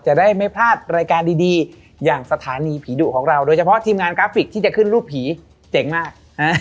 จะได้ไม่พลาดรายการดีอย่างสถานีผีดุของเราโดยเฉพาะทีมงานกราฟิกที่จะขึ้นรูปผีเจ๋งมาก